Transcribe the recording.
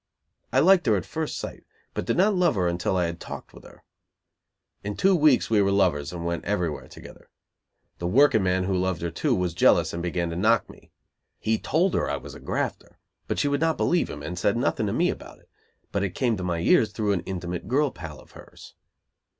I liked her at first sight, but did not love her until I had talked with her. In two weeks we were lovers, and went everywhere together. The workingman who loved her too was jealous and began to knock me. He told her I was a grafter, but she would not believe him; and said nothing to me about it, but it came to my ears through an intimate girl pal of hers.